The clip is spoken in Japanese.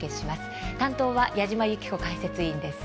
担当は矢島ゆき子解説委員です。